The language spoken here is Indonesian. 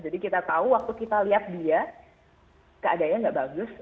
jadi kita tahu waktu kita lihat dia keadanya nggak bagus